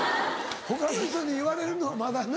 他の人に言われるのはまだな。